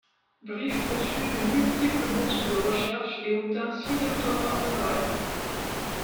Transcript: Briefs reçut de multiples bourses de recherches et obtint six doctorats honoraires.